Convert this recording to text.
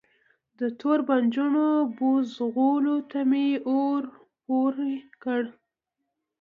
د توربانجانو بوزغلو ته می اور پوری کړ